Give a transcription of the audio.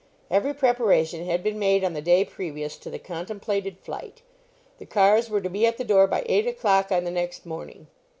Every preparation had been made on the day previous to the contemplated flight; the cars were to be at the door by eight o'clock on the next morning.